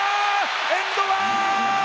エンドワン！